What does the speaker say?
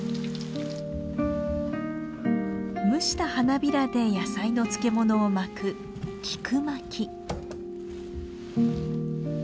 蒸した花びらで野菜の漬物を巻く菊巻き。